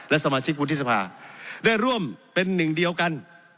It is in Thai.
และสมาชิกวุฒิสภาได้ร่วมเป็นหนึ่งเดียวกัน